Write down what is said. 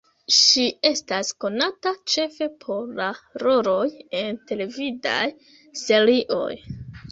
Ŝi estas konata ĉefe por la roloj en televidaj serioj.